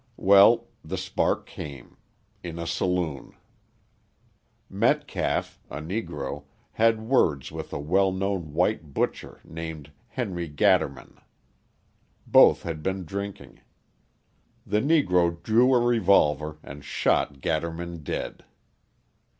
Well, the spark came in a saloon. Metcalf, a Negro, had words with a well known white butcher named Henry Gatterman. Both had been drinking. The Negro drew a revolver and shot Gatterman dead.